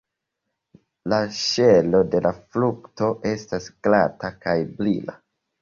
La ŝelo de la frukto estas glata kaj brila.